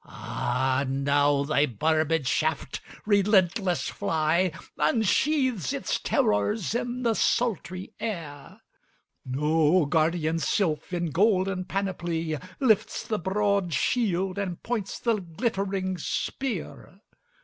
—Ah now thy barbed shaft, relentless fly, Unsheaths its terrors in the sultry air! No guardian sylph, in golden panoply, Lifts the broad shield, and points the glittering spear.